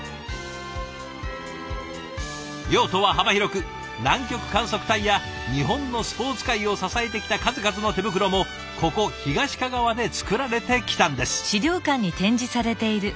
用途は幅広く南極観測隊や日本のスポーツ界を支えてきた数々の手袋もここ東かがわで作られてきたんです。